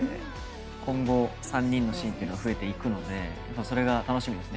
今後、３人のシーンが増えていくのでそれが楽しみですね。